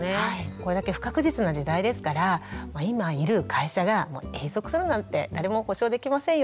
これだけ不確実な時代ですから今いる会社が永続するなんて誰も保証できませんよね。